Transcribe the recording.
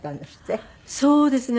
そうですね。